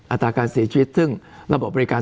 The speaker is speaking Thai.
อัตราการเสียชีวิตซึ่งระบบบริการ